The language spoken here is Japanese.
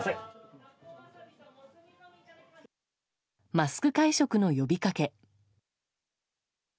マスク会食の呼びかけ。